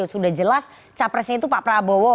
sudah jelas capresnya itu pak prabowo